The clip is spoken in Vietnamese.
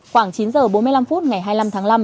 khoảng chín h bốn mươi năm phút ngày hai mươi năm tháng năm